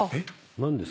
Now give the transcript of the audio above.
何ですか？